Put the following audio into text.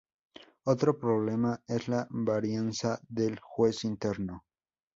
Otro problema es la varianza del juez interno.